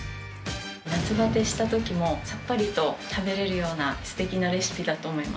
「夏バテしたときもさっぱりと食べれるようなすてきなレシピだと思います」